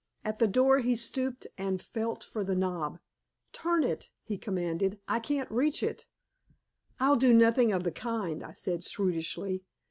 At the door he stooped and felt for the knob. "Turn it," he commanded. "I can't reach it." "I'll do nothing of the kind," I said shrewishly.